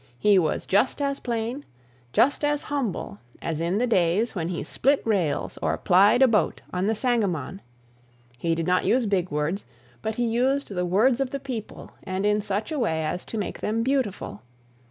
He was just as plain, I just as humble, as in the days when he split rails or plied a boat on the Sangamon. He did not use big words, but he used the words of the people, and in such a way as to make them beautiful.